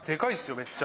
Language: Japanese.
めっちゃ。